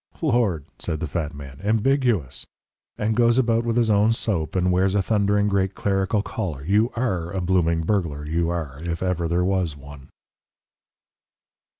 "Lord!" said the fat man, "ambiguous! And goes about with his own soap, and wears a thundering great clerical collar. You ARE a blooming burglar, you are if ever there was one!"